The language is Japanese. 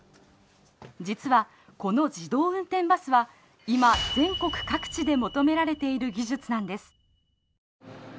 実はこの自動運転バスは今全国各地で求められている技術なんです。